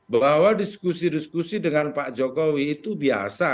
bahwa diskusi diskusi dengan pak jokowi itu biasa